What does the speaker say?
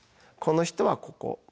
この人はここ。